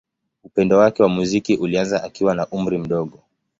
Upendo wake wa muziki ulianza akiwa na umri mdogo.